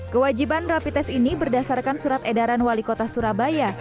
kewajiban rapi tes ini berdasarkan surat edaran wali kota surabaya